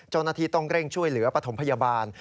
จนนาธิต้องเร่งช่วยเหลือปฐมพยาบาล